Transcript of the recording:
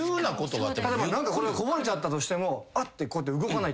例えば何かこぼれちゃったとしてもあっ！ってこうやって動かない。